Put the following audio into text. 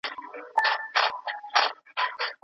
تاسو د نورو خلګو درناوی وکړئ.